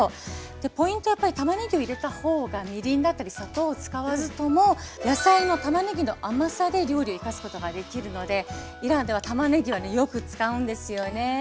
ポイントはたまねぎを入れたほうがみりんだったり砂糖を使わずとも野菜のたまねぎの甘さで料理を生かすことができるのでイランではたまねぎはねよく使うんですよね。